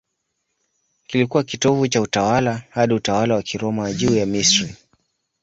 Kilikuwa kitovu cha utawala hadi utawala wa Kiroma juu ya Misri.